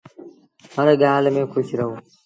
هر ڳآل ميݩ کُوش رهو